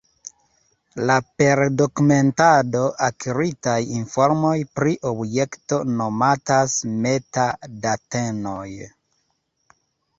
La per dokumentado akiritaj informoj pri objekto nomatas meta-datenoj.